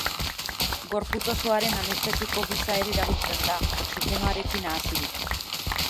Gorputz osoaren anestesiko gisa ere erabiltzen da, oxigenoarekin nahasirik.